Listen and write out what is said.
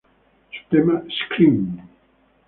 Su tema "Scream!